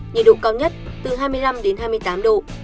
nhiệt độ cao nhất từ hai mươi năm đến hai mươi tám độ